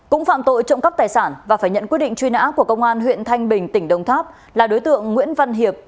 cũng phạm tội trộm cắp tài sản và phải nhận quyết định truy nã của công an huyện thanh bình tỉnh đồng tháp là đối tượng nguyễn văn hiệp